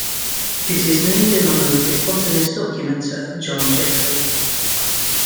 It is named in honor of its botanist documenter John Jeffrey.